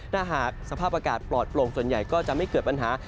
ถ้าหากสภาพอากาศปลอดโปร่งส่วนใหญ่ก็จะไม่เกิดปัญหา